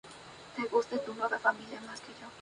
En ese momento, su padre había abandonado Cuba.